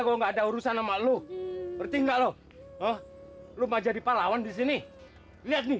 gua enggak ada urusan sama lu bertinggal oh oh lu maja dipalawan disini lihat nih